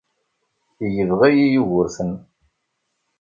Yebɣa-yi Yugurten.